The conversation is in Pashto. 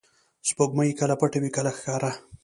• سپوږمۍ کله پټه وي، کله ښکاره.